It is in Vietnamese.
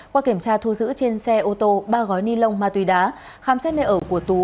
qua kiểm tra thu giữ trên xe ô tô ba gói ni lông ma túy đá khám xét nơi ở của tú